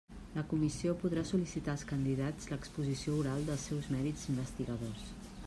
La Comissió podrà sol·licitar als candidats l'exposició oral dels seus mèrits investigadors.